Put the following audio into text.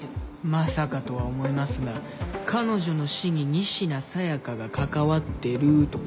まさかとは思いますが彼女の死に仁科紗耶香が関わってるとか？